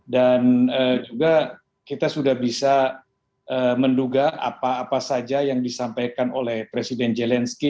dan juga kita sudah bisa menduga apa apa saja yang disampaikan oleh presiden zelensky